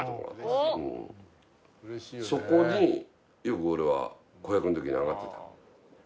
「そこによく俺は子役の時に上がってたの」